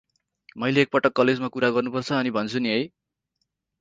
मैले एक पटक कलेज मा कुरा गर्नु पर्छ अनि भन्छु नी है ।